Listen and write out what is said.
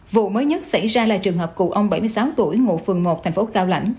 vụ mới nhất xảy ra là trường hợp cụ ông bảy mươi sáu tuổi ngụ phường một thành phố cao lãnh